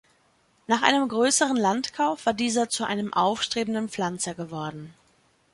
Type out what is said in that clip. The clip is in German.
Nach einem größeren Landkauf war dieser zu einem aufstrebenden Pflanzer geworden.